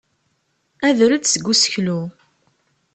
Ader-d seg useklu.